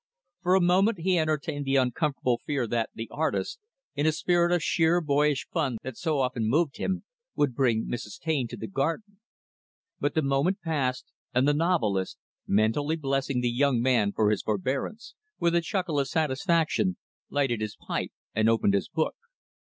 For a moment, he entertained the uncomfortable fear that the artist, in a spirit of sheer boyish fun that so often moved him, would bring Mrs. Taine to the garden. But the moment passed, and the novelist, mentally blessing the young man for his forbearance, with a chuckle of satisfaction, lighted his pipe and opened his book.